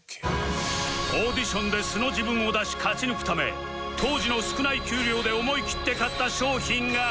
オーディションで素の自分を出し勝ち抜くため当時の少ない給料で思い切って買った商品がこちら